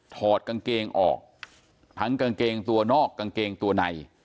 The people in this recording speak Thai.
ถอดกางเกงออกทั้งกางเกงตัวนอกกางเกงตัวใน